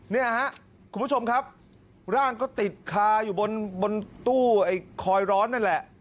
เนี่ยครับคุณผู้ชมครับร่างก็ติดคาอยู่บนตู้ไอ้คอยร้อนนั่นแหละ